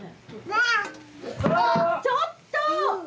ちょっと！